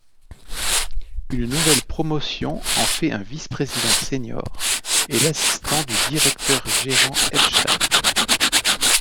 Une nouvelle promotion en fait un vice-président senior et l'assistant du directeur-gérant Epstein.